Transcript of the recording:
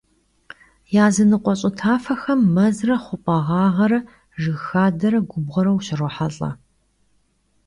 Yazınıkhue ş'ı tafexem mezre xhup'e ğağere, jjıg xadere gubğuere vuşrohelh'e.